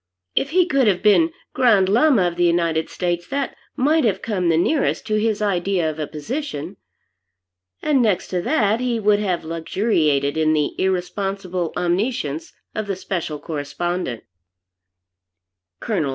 If he could have been Grand Llama of the United States, that might have come the nearest to his idea of a position. And next to that he would have luxuriated in the irresponsible omniscience of the Special Correspondent. Col.